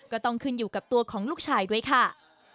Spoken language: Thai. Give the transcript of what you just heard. ก็ต้องขึ้นอยู่กับตัวของลูกชายด้วยค่ะ